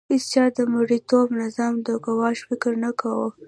هیڅ چا د مرئیتوب نظام د ګواښ فکر نه کاوه.